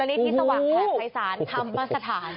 อันนี้ที่สวัสดิ์แถมไทยศาลทำมาสถาน